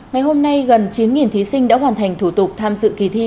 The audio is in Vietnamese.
ngày hôm nay gần chín thí sinh đã hoàn thành thủ tục tham dự kỳ thi